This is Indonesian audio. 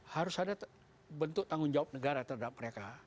harus ada bentuk tanggung jawab negara terhadap mereka